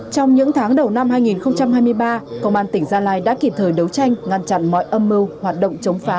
trong những tháng đầu năm hai nghìn hai mươi ba công an tỉnh gia lai đã kịp thời đấu tranh ngăn chặn mọi âm mưu hoạt động chống phá